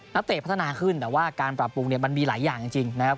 เตะพัฒนาขึ้นแต่ว่าการปรับปรุงเนี่ยมันมีหลายอย่างจริงนะครับ